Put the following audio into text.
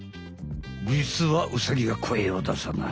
じつはウサギは声を出さない。